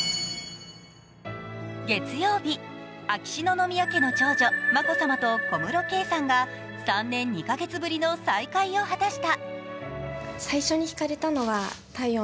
月曜日、秋篠宮家の長女・眞子さまと小室圭さんが３年２カ月ぶりの再会を果たした。